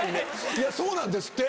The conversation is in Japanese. いやそうなんですって！